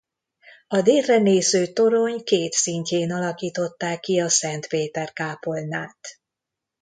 A délre néző torony két szintjén alakították ki a Szent Péter kápolnát.